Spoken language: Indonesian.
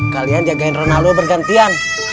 kalian jagain ronaldo bergantian